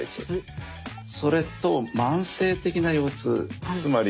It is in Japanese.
それと慢性的な腰痛つまり